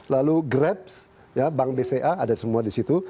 lalu grabs bank bca ada semua di situ